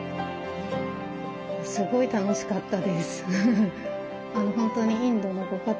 すごい楽しかったです。